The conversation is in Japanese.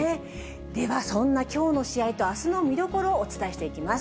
では、そんなきょうの試合と、あすの見どころをお伝えしていきます。